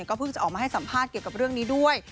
เพิ่งจะออกมาให้สัมภาษณ์เกี่ยวกับเรื่องนี้ด้วย